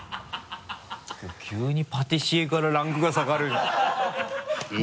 急にパティシエからランクが下がる いいね。